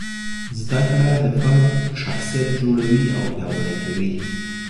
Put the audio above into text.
زده کړه د فرد شخصیت جوړوي او پیاوړی کوي.